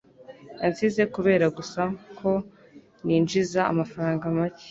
Yansize kubera gusa ko ninjiza amafaranga make.